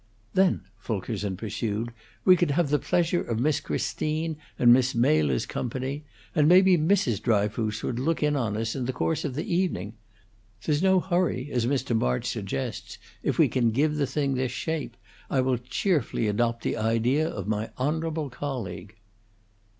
"Then," Fulkerson pursued, "we could have the pleasure of Miss Christine and Miss Mela's company; and maybe Mrs. Dryfoos would look in on us in the course of the evening. There's no hurry, as Mr. March suggests, if we can give the thing this shape. I will cheerfully adopt the idea of my honorable colleague."